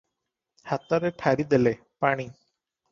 ହାତରେ ଠାରିଦେଲେ - ପାଣି ।